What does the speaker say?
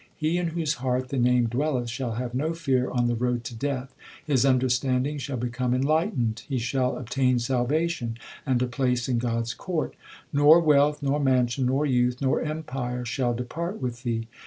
He in whose heart the Name dwelleth, shall have no fear on the road to death ; His understanding shall become enlightened ; he shall obtain salvation and a place in God s court. Nor wealth, nor mansion, nor youth, nor empire shall depart with thee.